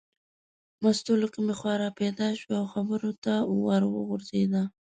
مستو له کومې خوا را پیدا شوه او خبرو ته ور وغورځېده.